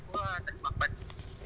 của tỉnh quảng bình